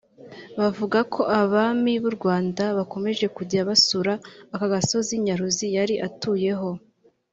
bavuga ko abami b’u Rwanda bakomeje kujya basura aka gasozi Nyaruzi yari atuyeho